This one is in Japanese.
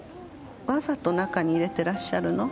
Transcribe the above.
わざと中に入れてらっしゃるの？